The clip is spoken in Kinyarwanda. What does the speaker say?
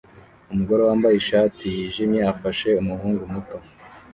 Umugore wambaye ishati yijimye afashe umuhungu muto